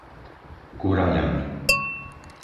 Kuraľany